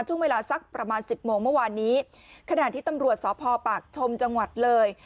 ช่วงเวลาสักประมาณสิบโมงเมื่อวานนี้ขณะที่ตำรวจสพปากชมจังหวัดเลย